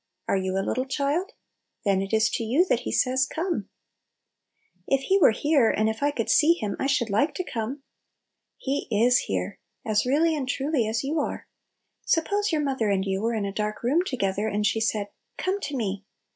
Are you a little child? Then it is to you that He says " Come 1 "" If He were here, and if I could see Him, I should like to come." He is here, as really and truly as you are. Suppose your mother and you were in a dark room together, and she said, " Come to me